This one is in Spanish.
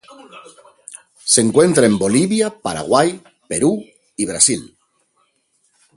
Se encuentra en Bolivia Paraguay Perú y Brasil